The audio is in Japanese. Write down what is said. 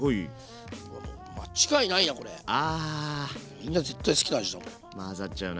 みんな絶対好きな味だ。